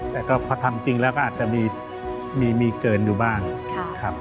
แต่ก็พอทำจริงแล้วก็อาจจะมีเกินอยู่บ้างครับ